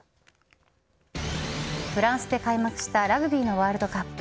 フランスで開幕したラグビーのワールドカップ。